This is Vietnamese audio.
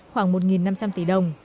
khoảng một năm trăm linh tỷ đồng